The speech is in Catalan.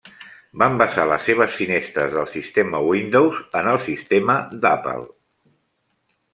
Van basar les seves finestres del sistema Windows en el sistema d'Apple.